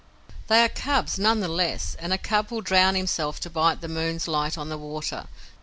"They are cubs none the less; and a cub will drown himself to bite the moon's light on the water.